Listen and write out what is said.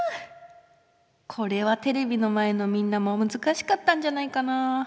これはテレビの前のみんなもむずかしかったんじゃないかな？